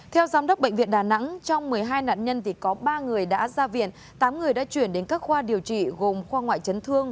theo giám đốc bệnh viện đà nẵng trong một mươi hai nạn nhân có ba người đã ra viện tám người đã chuyển đến các khoa điều trị gồm khoa ngoại chấn thương